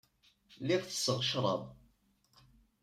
Lliɣ tesseɣ ccrab.